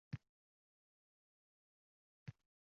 U qaynardi, biz bolalar uchun alohida.